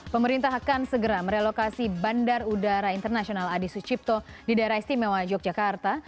pemerintah akan segera merelokasi bandar udara internasional adi sucipto di daerah istimewa yogyakarta